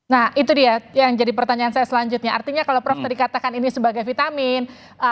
nah itu dia yang jadi pertanyaan saya selanjutnya artinya kalau prof tadi katakan ini sebagai vitamin